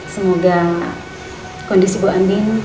semoga kondisi bu anbin